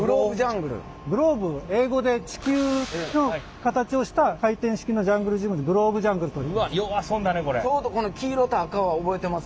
グローブ英語で地球の形をした回転式のジャングルジムでグローブジャングルといいます。